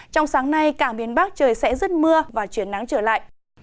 trong sáng nay cả miền bắc trời sẽ rứt mưa và chuyển nắng trở lại